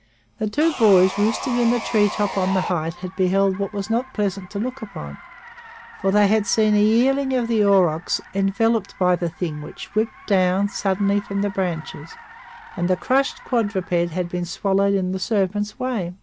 The two boys roosting in the treetop on the height had beheld what was not pleasant to look upon, for they had seen a yearling of the aurochs enveloped by the thing, which whipped down suddenly from the branches, and the crushed quadruped had been swallowed in the serpent's way.